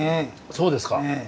そうですか。